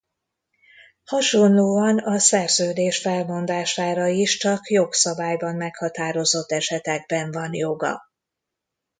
Hasonlóan a szerződés felmondására is csak jogszabályban meghatározott esetekben van joga.